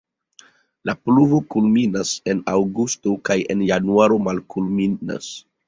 La pluvo kulminas en aŭgusto kaj en januaro malkulminas.